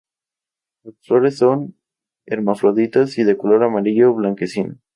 Las flores son hermafroditas y de color amarillo blanquecino.